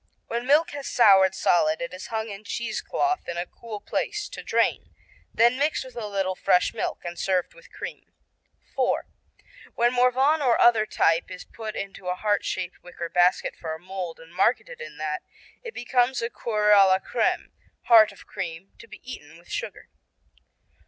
When milk has soured solid it is hung in cheesecloth in a cool place to drain, then mixed with a little fresh milk and served with cream. IV. When Morvan or other type is put into a heart shaped wicker basket for a mold, and marketed in that, it becomes Coeur à la Crème, heart of cream, to be eaten with sugar.